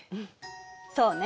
そうね。